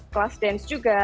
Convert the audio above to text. kelas dance juga